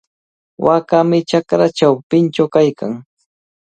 Waakami chakra chawpinchaw kaykan.